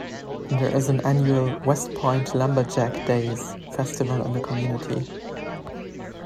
There is an annual "West Point Lumberjack Days" festival in the community.